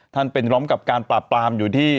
ท่านเป็นร้องกับการปราบปรามอยู่ที่